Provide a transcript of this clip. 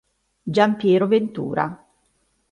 Gian Piero Ventura.